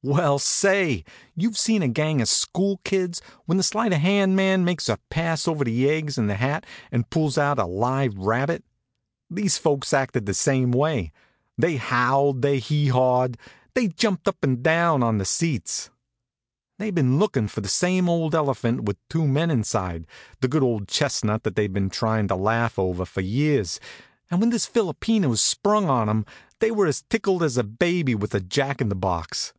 Well, say! You've seen a gang of school kids when the sleight of hand man makes a pass over the egg in the hat and pulls out a live rabbit? These folks acted the same way. They howled, they hee hawed, they jumped up and down on the seats. They'd been lookin' for the same old elephant with two men inside, the good old chestnut that they'd been tryin' to laugh over for years, and when this philopena was sprung on 'em they were as tickled as a baby with a jack in the box.